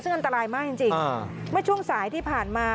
ซึ่งอันตรายมากจริงเมื่อช่วงสายที่ผ่านมา